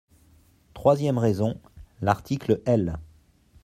Troisième raison : l’article L.